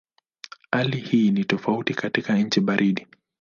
Hali hii ni tofauti katika nchi baridi.